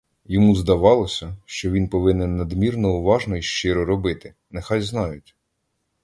Йому здавалося, що він повинен надмірно уважно й щиро робити — нехай знають!